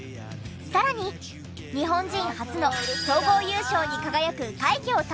さらに日本人初の総合優勝に輝く快挙を達成！